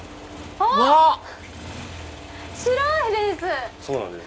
あっ白いです！